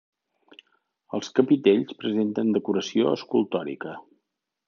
Els capitells presenten decoració escultòrica.